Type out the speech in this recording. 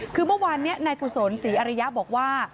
คือเมื่อวานนี้นายกุศลศรีอริยะบอกว่า